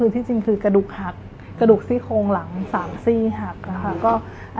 ที่จริงคือกระดุกหักกระดุกซี่โครงหลังสามสี่หักค่ะ